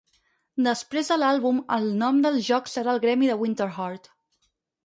Després de l'àlbum, el nom del joc serà "el gremi de Winterheart".